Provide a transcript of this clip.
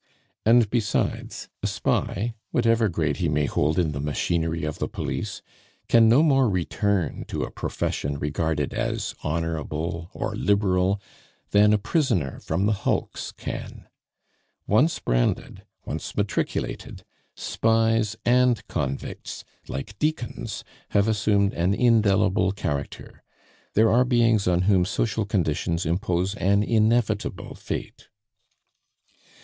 And besides, a spy, whatever grade he may hold in the machinery of the police, can no more return to a profession regarded as honorable or liberal, than a prisoner from the hulks can. Once branded, once matriculated, spies and convicts, like deacons, have assumed an indelible character. There are beings on whom social conditions impose an inevitable fate.